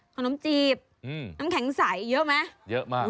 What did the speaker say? ขนมจีบน้ำแข็งใสเยอะไหม